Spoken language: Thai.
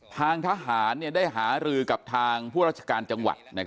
ทางทหารได้หารือกับทางผู้ราชการจังหวัด